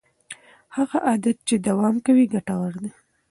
هغه عادت چې دوام کوي ګټور دی.